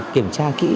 kiểm tra kỹ